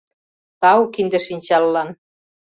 Тау кинде-шинчаллан.